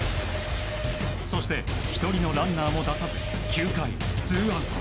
そして、１人のランナーも出さず９回ツーアウト。